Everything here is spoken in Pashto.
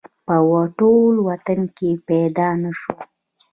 په ټول وطن کې پیدا نه شو